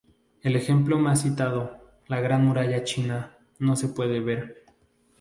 El ejemplo más citado, la Gran Muralla China, no se puede ver.